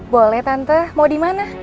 boleh tante mau dimana